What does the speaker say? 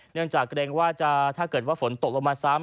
เนื่องจากเกรงว่าถ้าเกิดว่าฝนตกลงมาซ้ำ